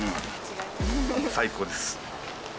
最高です。